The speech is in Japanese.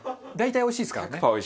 大体おいしいですからね。